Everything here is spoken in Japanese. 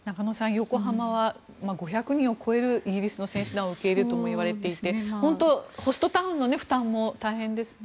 横浜は５００人を超えるイギリスの選手団を受け入れるともいわれていて本当にホストタウンの負担も大変ですよね。